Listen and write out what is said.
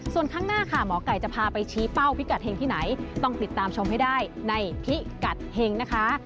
ส่วนข้างหน้าค่ะหมอไก่จะพาไปชี้เป้าพิกัดเฮงที่ไหนต้องติดตามชมให้ได้ในพิกัดเฮงนะคะ